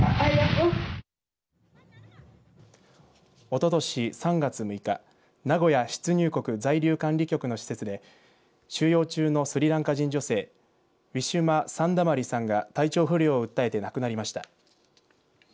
おととし３月６日名古屋出入国在留管理局の施設で収容中のスリランカ人女性ウィシュマ・サンダマリさんが体調不良を訴えて亡くなりました。